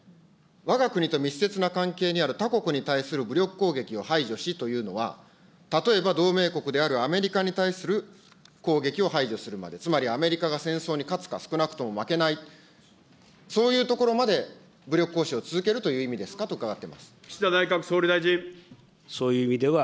わが国と密接な関係にある他国に対する武力攻撃を排除しというのは、例えば同盟国であるアメリカに対する攻撃を排除するまで、つまりアメリカが戦争に勝つか、少なくとも負けない、そういうところまで武力行使を続けるという意味ですかと伺ってま岸田内閣総理大臣。